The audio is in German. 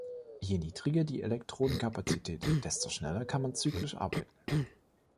Je niedriger die Elektrodenkapazität, desto schneller kann man zyklisch arbeiten.